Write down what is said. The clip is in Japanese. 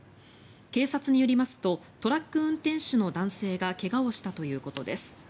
警察によりますとトラック運転手の男性が怪我をしたということです。